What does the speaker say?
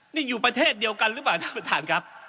นี่อยู่ประเทศเดียวกันหรือเปล่าท่านประธานครับ